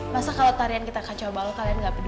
masa kalau tarian kita kacau balau kalian gak peduli